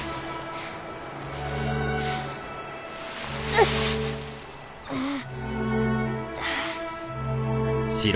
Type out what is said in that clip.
うっああ。